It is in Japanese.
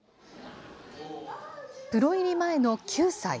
プロ入り前の９歳。